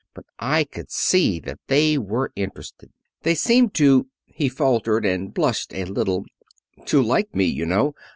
But I could see that they were interested. They seemed to," he faltered and blushed a little, "to like me, you know.